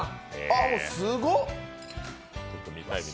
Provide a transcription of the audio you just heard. あっ、すごっ！